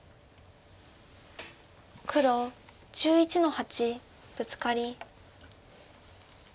黒１１の八ブツカリ。